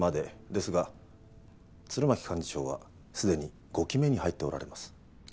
ですが鶴巻幹事長は既に５期目に入っておられます。